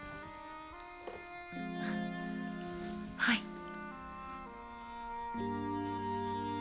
はい。